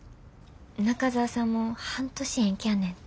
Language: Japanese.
中澤さんも半年延期やねんて。